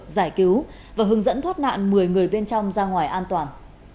giải cứu và hướng dẫn thoát nạn một mươi người bên trong ra ngoài an toàn